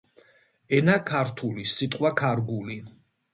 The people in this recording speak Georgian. ენა ქართული სიტყვაქარგული.